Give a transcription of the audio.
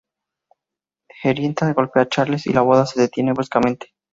Henrietta golpea a Charles y la boda se detiene bruscamente.